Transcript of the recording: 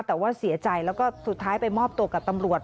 แต่ว่าเสียใจแล้วก็สุดท้ายไปมอบตัวกับตำรวจ